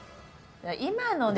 今のね